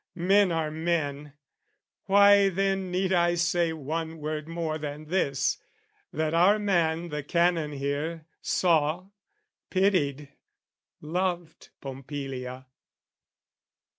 Men are men: why then need I say one word More than this, that our man the Canon here Saw, pitied, loved Pompilia?